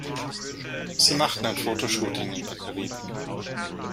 Sie machten ein Fotoshooting in der Karibik.